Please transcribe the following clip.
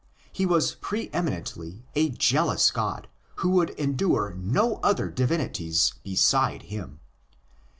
He was pre eminently a '' jealous god," who would endure no other divinities beside him.